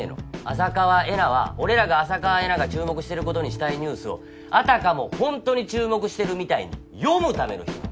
浅川恵那は俺らが浅川恵那が注目してることにしたいニュースをあたかもほんとに注目してるみたいに読むための人なの。